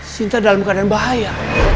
sinta dalam keadaan bahaya